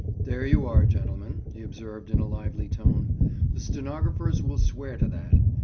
"There you are, gentlemen," he observed in a lively tone. "The stenographers will swear to that.